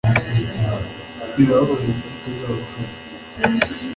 Birababaje kuba utazaba uhari